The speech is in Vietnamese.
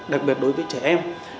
đặc biệt đối với trẻ em